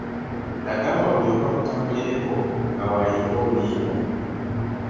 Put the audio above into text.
Nagamba buli omu agutambulireko nga wayimba oluyimba.